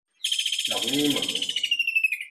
鹿耳門